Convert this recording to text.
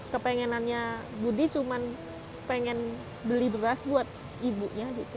kepengenannya budi cuma pengen beli beras buat ibunya gitu